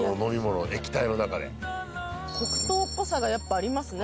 黒糖っぽさがやっぱありますね